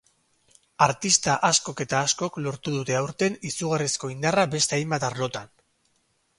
Artista askok eta askok lortu dute aurten izugarrizko indarra beste hainbat arlotan.